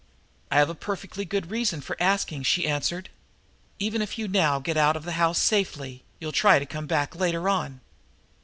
"I have a perfectly good reason for asking," she answered. "Even if you now get out of the house safely you'll try to come back later on."